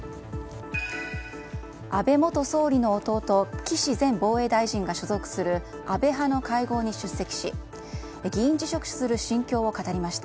安倍元総理の弟岸前防衛大臣が所属する安倍派の会合に出席し議員辞職する心境を語りました。